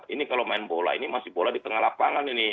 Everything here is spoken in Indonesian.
ini kalau main bola ini masih bola di tengah lapangan ini